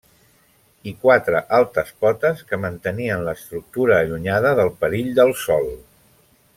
I quatre altes potes que mantenien l'estructura allunyada del perill del sòl.